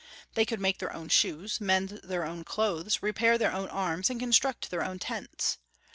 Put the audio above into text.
They could make their own shoes, mend their own clothes, repair their own arms, and construct their own tents.